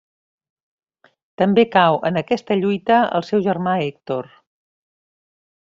També cau en aquesta lluita el seu germà Hèctor.